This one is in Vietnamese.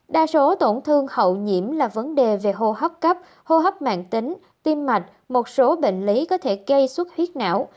đa số tổn thương hậu nhiễm là vấn đề về hô hấp cấp hô hấp mạng tính tim mạch một số bệnh lý có thể gây suốt huyết não